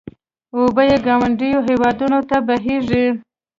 اوبه یې ګاونډیو هېوادونو ته بهېږي.